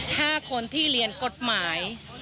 ถ้าคนที่เรียนกฎหมาย